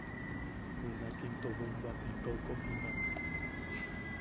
Junak into bombam itou kom jimaak.